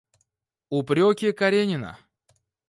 Упреки Каренина.